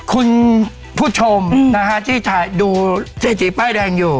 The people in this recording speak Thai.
คุณผู้ชมนะฮะที่ดูเศรษฐีป้ายแดงอยู่